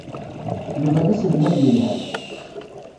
Yuba d aselmad yelhan.